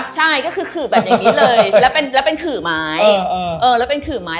ใช่ก็คือขื่อแบบอย่างนี้เลยแล้วเป็นขื่อไม้